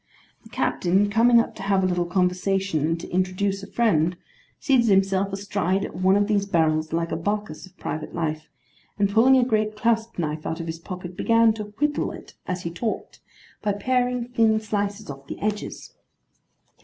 The captain coming up to have a little conversation, and to introduce a friend, seated himself astride of one of these barrels, like a Bacchus of private life; and pulling a great clasp knife out of his pocket, began to 'whittle' it as he talked, by paring thin slices off the edges.